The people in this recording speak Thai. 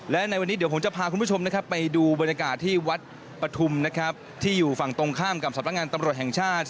และในวันนี้เดี๋ยวผมจะพาคุณผู้ชมนะครับไปดูบรรยากาศที่วัดปฐุมนะครับที่อยู่ฝั่งตรงข้ามกับสำนักงานตำรวจแห่งชาติ